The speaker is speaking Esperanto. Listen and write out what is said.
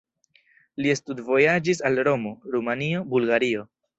Li studvojaĝis al Romo, Rumanio, Bulgario.